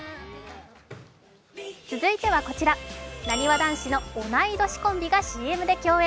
続いてはこちら、なにわ男子の同い年コンビがＣＭで共演。